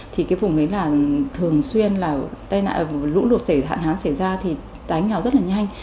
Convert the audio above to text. thì cái vùng đấy là thường xuyên là lũ lụt hạn hán xảy ra thì tái nghèo rất là nhanh